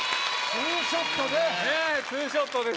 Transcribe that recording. ツーショットで！